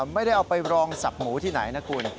ไม่ได้เอาไปรองสับหมูที่ไหนนะคุณ